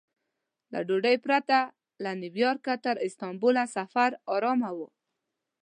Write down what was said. له ډوډۍ پرته له نیویارکه تر استانبوله سفر ارامه و.